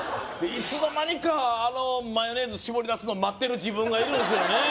いつの間にかあのマヨネーズしぼり出すの待ってる自分がいるんですよね